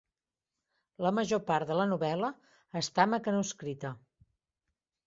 La major part de la novel·la està mecanoscrita.